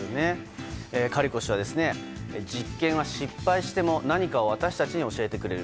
カリコ氏は実験は失敗しても何かを私たちに教えてくれる。